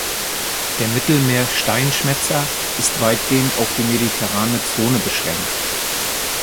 Der Mittelmeer-Steinschmätzer ist weitgehend auf die Mediterrane Zone beschränkt.